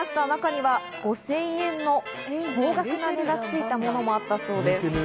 中には５０００円の高額な値がついたものもあったそうです。